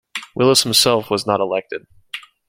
Willis himself was not elected.